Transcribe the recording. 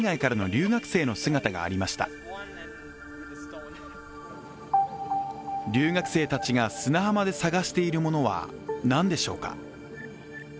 留学生たちが砂浜で探しているものはなんでしょうか。